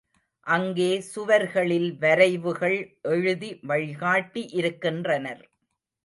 அங்கே சுவர்களில் வரைவுகள் எழுதி வழிகாட்டி இருக்கின்றனர்.